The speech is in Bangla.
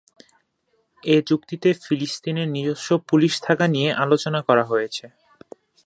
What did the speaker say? এ চুক্তিতে ফিলিস্তিনের নিজস্ব পুলিশ থাকা নিয়ে আলোচনা করা হয়েছে।